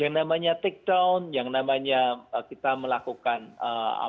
yang namanya take down yang namanya kita melakukan apa